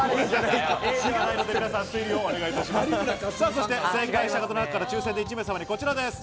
そして正解した方の中から抽選で１名様にこちらです。